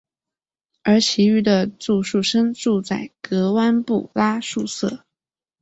而其余的住宿生住在格湾布拉宿舍。